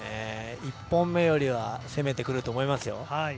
１本目よりは攻めてくると思いますよ。